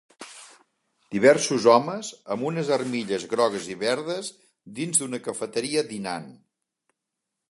Diversos homes amb armilles grogues i verdes dins d'una cafeteria dinant.